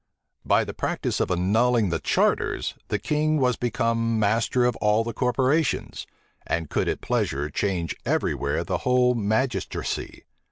By the practice of annulling the charters, the king was become master of all the corporations, and could at pleasure change every where the whole magistracy.